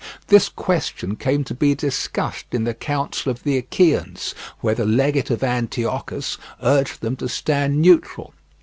This question came to be discussed in the council of the Achaeans, where the legate of Antiochus urged them to stand neutral.